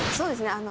あの。